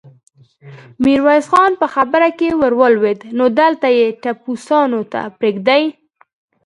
ميرويس خان په خبره کې ور ولوېد: نو دلته يې ټپوسانو ته پرېږدې؟